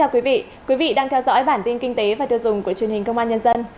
quý vị đang theo dõi bản tin kinh tế và tiêu dùng của truyền hình công an nhân dân